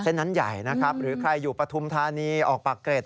เส้นนั้นใหญ่นะครับหรือใครอยู่ปฐุมธานีออกปากเกร็ด